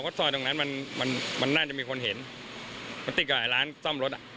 ล้วนซอยตรงนั้นดูมันน่าจะมีคนเห็นติดกับไหลล้านซ่อมรถ